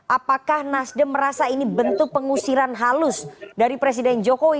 apakah nasdem merasa ini bentuk pengusiran halus dari presiden jokowi